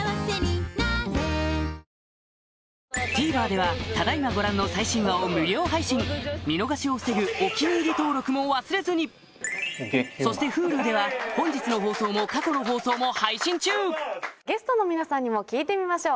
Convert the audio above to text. ＴＶｅｒではただ今ご覧の最新話を無料配信見逃しを防ぐ「お気に入り」登録も忘れずにそしてＨｕｌｕでは本日の放送も過去の放送も配信中ゲストの皆さんにも聞いてみましょう。